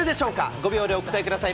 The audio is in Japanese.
５秒でお答えください。